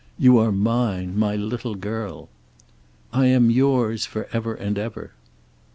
"You are mine. My little girl." "I am yours. For ever and ever."